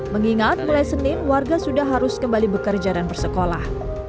mengingat mulai senin warga sudah harus kembali bekerja dan bersekolah